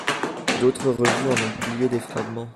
D'autres revues en ont publié des fragments.